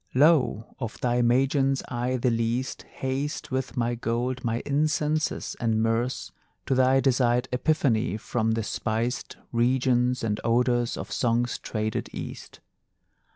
Lo, of thy Magians I the least Haste with my gold, my incenses and myrrhs, To thy desired epiphany, from the spiced Regions and odorous of Song's traded East.